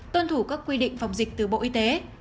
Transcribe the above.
tuân thủ các quy định phòng dịch từ bộ y tế